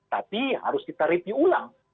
tapi harus kita review ulang